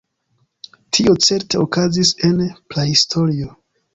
Tio certe okazis en prahistorio.